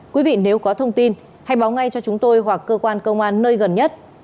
quý vị nếu có thông tin hãy báo ngay cho chúng tôi hoặc cơ quan công an nơi gần nhất